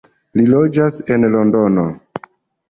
Li loĝas en Londono.